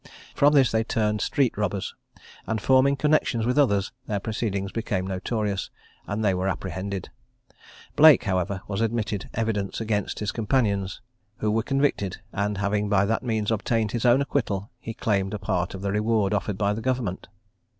From this they turned street robbers; and forming connexions with others, their proceedings became notorious, and they were apprehended. Blake, however, was admitted evidence against his companions, who were convicted; and having by that means obtained his own acquittal, he claimed a part of the reward offered by government.